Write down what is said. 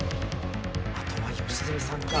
あとは良純さんか。